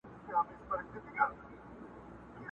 د پسونوتر زړو ویني څڅېدلې؛